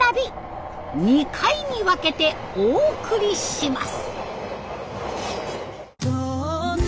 ２回に分けてお送りします。